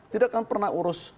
tidak akan pernah urus